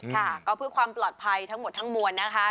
ค่ะก็เพื่อความปลอดภัยทั้งหมดทั้งมวลนะคะ